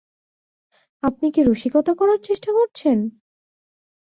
আপনি কি রসিকতা করার চেষ্টা করছেন?